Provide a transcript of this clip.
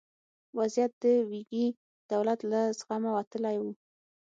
وضعیت د ویګي دولت له زغمه وتلی و.